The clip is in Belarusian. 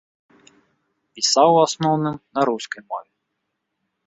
Пісаў у асноўным на рускай мове.